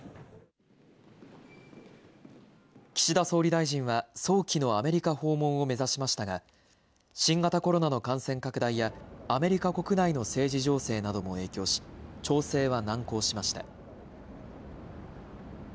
岸田総理大臣は早期のアメリカ訪問を目指しましたが新型コロナの感染拡大やアメリカ国内の政治情勢なども影響し、調整は難航しました。